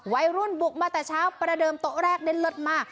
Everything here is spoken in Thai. วัยรุ่นบุกมาแต่เช้าประเดิมโต๊ะแรกได้เลิศมาก